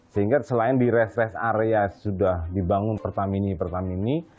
sehingga selain di rest rest area sudah dibangun pertamini pertamini